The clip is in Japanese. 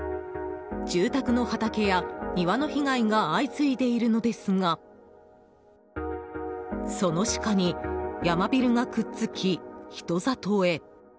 住宅の畑や庭の被害が相次いでいるのですがそのシカにヤマビルがくっつき人里へ。